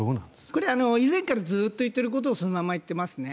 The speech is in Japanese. これは以前から言っていることをそのまま言っていますね。